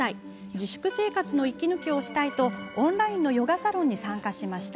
自粛生活の息抜きをしたいとオンラインのヨガサロンに参加しました。